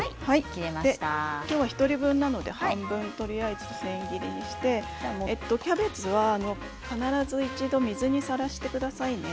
今日は１人分なので半分とりあえず千切りにしてキャベツは必ず一度水にさらしてくださいね